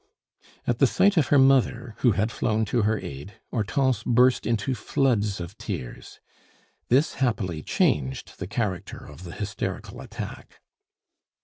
At the sight of her mother, who had flown to her aid, Hortense burst into floods of tears. This happily changed the character of the hysterical attack.